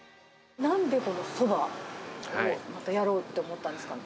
なんでこのそばを、やろうって思ったんですか。